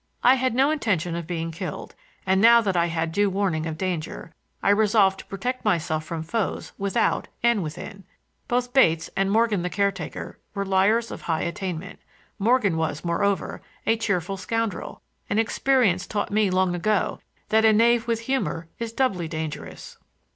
I had no intention of being killed, and now that I had due warning of danger, I resolved to protect myself from foes without and within. Both Bates and Morgan, the caretaker, were liars of high attainment. Morgan was, moreover, a cheerful scoundrel, and experience taught me long ago that a knave with humor is doubly dangerous.